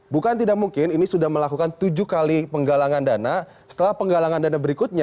bukan tidak mungkin ini sudah melakukan tujuh kali penggalangan dana setelah penggalangan dana berikutnya